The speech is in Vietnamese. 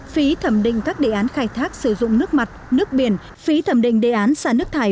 phí thẩm định các đề án khai thác sử dụng nước mặt nước biển phí thẩm định đề án xả nước thải